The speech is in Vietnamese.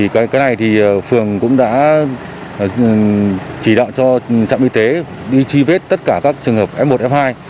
cái này thì phường cũng đã chỉ đạo cho trạm y tế đi truy vết tất cả các trường hợp f một f hai